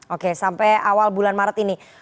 oke sampai awal bulan maret ini